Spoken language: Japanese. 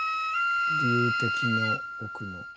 龍笛の奥の。